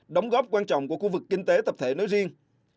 đóng góp quan trọng của khu vực kinh tế tập thể nói riêng